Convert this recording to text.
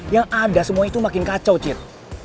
yang ada semua itu makin kacau cit